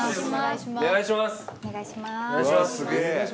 お願いします